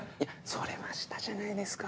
それはしたじゃないですか。